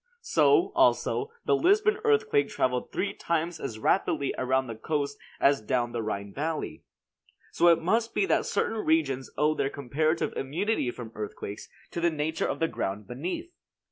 So, also, the Lisbon earthquake traveled three times as rapidly around the coast as down the Rhine valley. So it must be that certain regions owe their comparative immunity from earthquakes to the nature of the ground beneath.